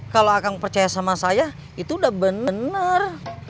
kalau akang percaya sama saya itu udah benar